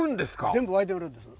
全部湧いてるんです。